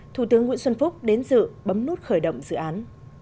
thủ tướng nguyễn xuân phúc đến dự bấm nút khởi động dự án